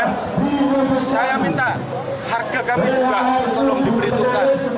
jangan semua hal sekarang